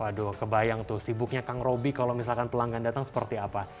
aduh kebayang tuh sibuknya kang roby kalau misalkan pelanggan datang seperti apa